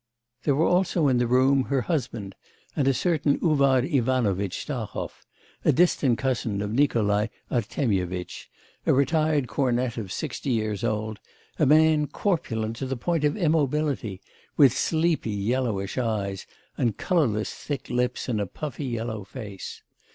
There were also in the room her husband and a certain Uvar Ivanovitch Stahov, a distant cousin of Nikolai Artemyevitch, a retired cornet of sixty years old, a man corpulent to the point of immobility, with sleepy yellowish eyes, and colourless thick lips in a puffy yellow face.